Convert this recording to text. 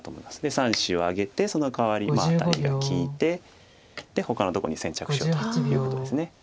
３子をあげてそのかわりアタリが利いてほかのとこに先着しようということです。